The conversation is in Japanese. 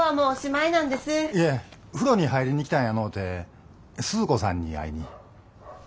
いえ風呂に入りに来たんやのうてスズ子さんに会いに。